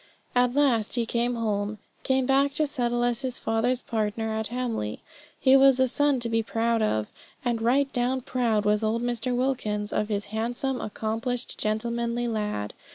At last he came home came back to settle as his father's partner at Hamley. He was a son to be proud of, and right down proud was old Mr. Wilkins of his handsome, accomplished, gentlemanly lad.